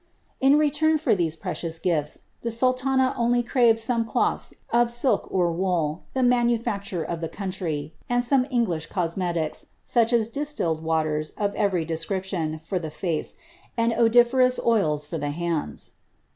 In Telurn for [hese precious gifts, the sultana only craved some cloth; of silk or wool, the manufacture of the countrj', and some English ci^oie lies, such as distilled waters, of every description, for the face, and oiJon ferous oils for the hands."